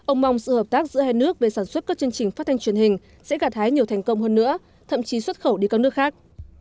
ông mong sự hợp tác giữa hai nước về sản xuất các chương trình phát thanh truyền hình sẽ gạt hái nhiều thành công hơn nữa thậm chí xuất khẩu đi các nước khác